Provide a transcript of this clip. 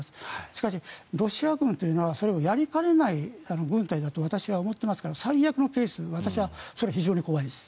しかし、ロシア軍というのはそれをやりかねない軍隊だと私は思っていますから最悪のケースが私はそれは非常に怖いです。